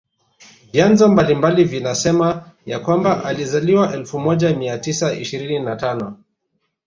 Vyanzo mbalimbali vinasema ya kwamba alizaliwa elfu moja mia tisa ishirini na tano